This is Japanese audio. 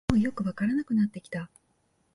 もうよくわからなくなってきた